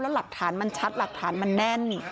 หลักฐานมันชัดหลักฐานมันแน่นนี่